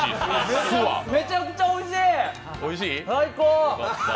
めちゃくちゃおいしい、最高。